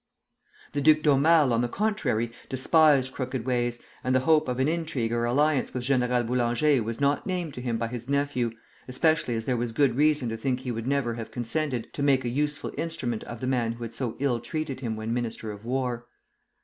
The Duc d'Aumale, on the contrary, despised crooked ways; and the hope of an intrigue or alliance with General Boulanger was not named to him by his nephew, especially as there was good reason to think he would never have consented to make a useful instrument of the man who had so ill treated him when Minister of War.